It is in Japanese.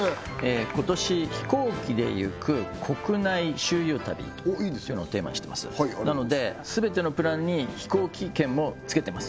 今年飛行機で行く国内周遊旅っていうのをテーマにしてますなので全てのプランに飛行機券もつけてます